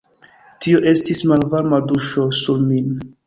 Tio estis malvarma duŝo sur min.